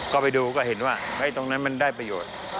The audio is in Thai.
ก็ไปดูก็เห็นว่าตรงนั้นมันได้ประโยชน์